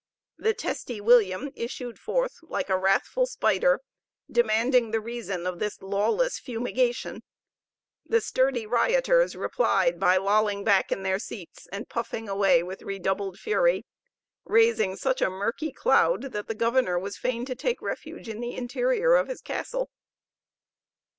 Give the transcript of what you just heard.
The testy William issued forth like a wrathful spider, demanding the reason of this lawless fumigation. The sturdy rioters replied by lolling back in their seats, and puffing away with redoubled fury, raising such a murky cloud that the governor was fain to take refuge in the interior of his castle.